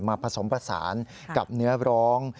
ผสมผสานกับเนื้อร้อง